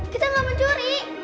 kita nggak mencuri